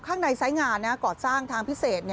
ข้างในซ้ายงานกอดสร้างทางพิเศษ